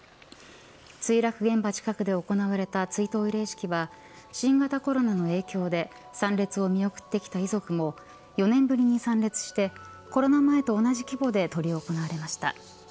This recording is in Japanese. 墜落現場近くで行われた追悼慰霊式は新型コロナの影響で参列を見送ってきた遺族も４年ぶりに参列してコロナ前と同じ規模で執り行われました。